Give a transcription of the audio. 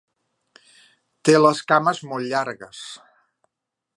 Té les cames molt llargues.